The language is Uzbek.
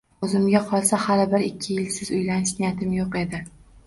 O`zimga qolsa hali bir-ikki yilsiz uylanish niyatim yo`q edi